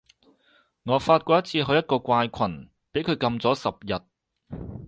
我發過一次去一個怪群，畀佢禁咗十日